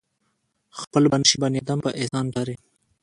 خپل به نشي بنيادم پۀ احسان چرې